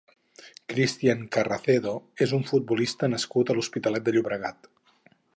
Cristian Carracedo és un futbolista nascut a l'Hospitalet de Llobregat.